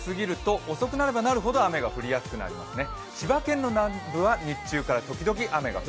関東南部、夜９時をすぎると、遅くなればなるほど雨が降りやすくなりますね。